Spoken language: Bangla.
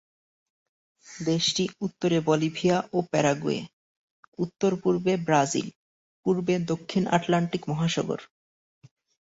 দেশটি উত্তরে বলিভিয়া ও প্যারাগুয়ে, উত্তর-পূর্বে ব্রাজিল, পূর্বে দক্ষিণ আটলান্টিক মহাসাগর।